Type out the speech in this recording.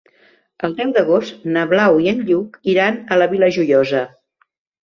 El deu d'agost na Blau i en Lluc iran a la Vila Joiosa.